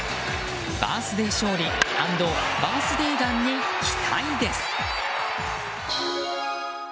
バースデー勝利＆バースデー弾に期待です。